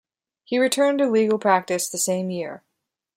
He returned to legal practice the same year.